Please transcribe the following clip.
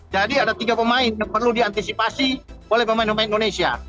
ada tiga pemain yang perlu diantisipasi oleh pemain pemain indonesia